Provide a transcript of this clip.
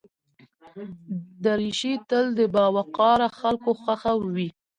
دریشي تل د باوقاره خلکو خوښه وي.